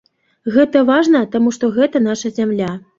Гэта важна, таму што гэта наша зямля.